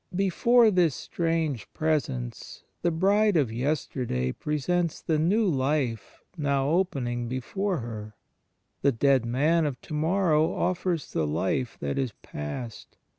Be fore this strange Presence the bride of yesterday presents the new life now opening before her; the dead man of to morrow offers the life that is past.